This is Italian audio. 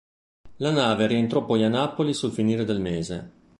La nave rientrò poi a Napoli sul finire del mese.